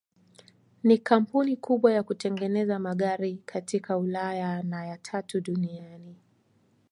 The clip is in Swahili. Ni kampuni kubwa ya kutengeneza magari katika Ulaya na ya tatu duniani.